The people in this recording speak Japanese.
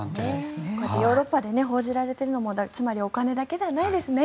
ヨーロッパで報じられているのもつまりお金だけではないですね。